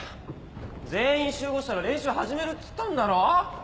全員集合したら練習始めるっつったんだろ！？